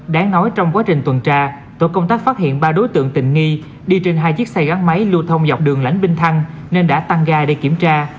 đáng nói trong quá trình tuần tra tội công tác phát hiện ba đối tượng tình nghi đi trên hai chiếc xe gắn máy lưu thông dọc đường lãnh thăng nên đã tăng ga để kiểm tra